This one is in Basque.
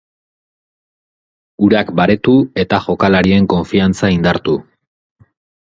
Urak baretu eta jokalarien konfiantza indartu.